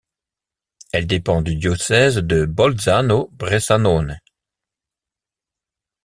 Elle dépend du diocèse de Bolzano-Bressanone.